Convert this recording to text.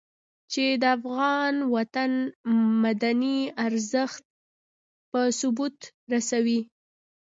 چې د افغان وطن مدني درنښت په ثبوت رسوي.